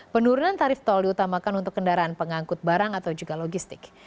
penurunan tarif tol diutamakan untuk kendaraan pengangkut barang atau juga logistik